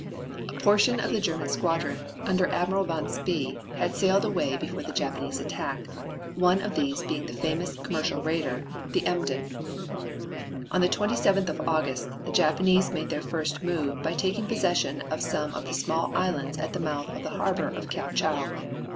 A portion of the German squadron, under Admiral von Spee, had sailed away before the Japanese attack, one of these being the famous commerce raider, the Emden. On the 27th of August the Japanese made their first move by taking possession of some of the small islands at the mouth of the harbor of Kiao chau.